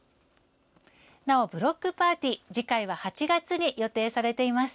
なお、ブロックパーティー次回は８月に予定されています。